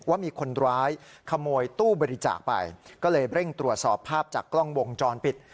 ว่ามีคนร้ายขโมยตู้บริจาคไปก็เลยเร่งตรวจสอบภาพจากกล้องวงจรปิด